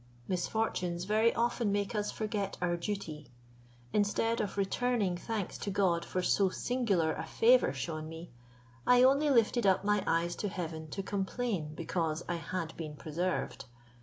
Misfortunes very often make us forget our duty. Instead of returning thanks to God for so singular a favour shewn me, I only lifted up my eyes to heaven, to complain because I had been preserved.